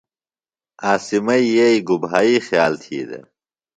عاصمئی یئییۡ گُبھائی خیال تھی دےۡ؟